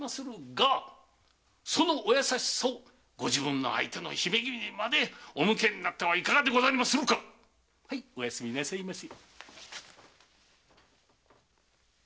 そのお優しさをご自分の相手の姫君にまでお向けになってはいかがでござりましょうか⁉おやすみなさいませ！